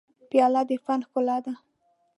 پیاله د فن ښکلا ده.